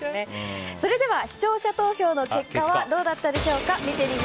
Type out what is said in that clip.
それでは視聴者投票の結果はどうだったでしょうか。